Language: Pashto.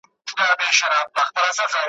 دښمنان به دي دا ټوله خپل د ځان کړې